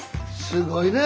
すごいね。